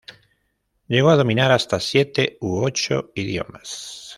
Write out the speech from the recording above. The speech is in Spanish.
Llegó a dominar hasta siete u ocho idiomas.